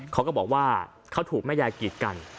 เขาก็บอกว่าเขาถูกแม่ยายกีดกัน